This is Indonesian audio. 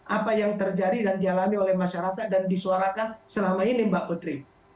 apa yang terjadi dan dialami oleh masyarakat dan disuarakan selama ini mbak putri